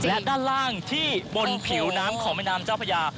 และด้านล่างที่บนผิวน้ำของแม่น้ำเจ้าพญา